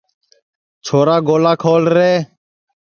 چھورا گولا کھول رے